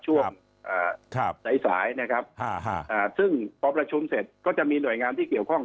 ช่วงสายนะครับซึ่งพอประชุมเสร็จก็จะมีหน่วยงานที่เกี่ยวข้อง